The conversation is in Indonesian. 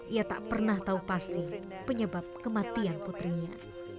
ia tak pernah tahu pasti penyebab kematian putrinya